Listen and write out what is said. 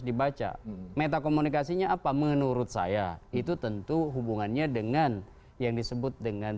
dibaca metakomunikasinya apa menurut saya itu tentu hubungannya dengan yang disebut dengan